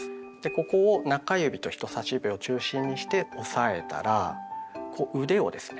ここを中指と人さし指を中心にして押さえたらこう腕をですね